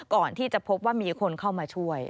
ก่อนที่จะพบว่ามีคนเข้ามาช่วย